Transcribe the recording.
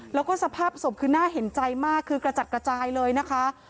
แล้วก็สภาพศพคือน่าเห็นใจมากคือกระจัดกระจายเลยนะคะ